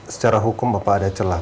secara hukum apa ada celah